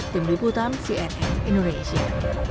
tim liputan cnn indonesia